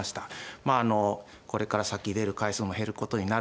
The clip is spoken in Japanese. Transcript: まああのこれから先出る回数も減ることになるでしょう。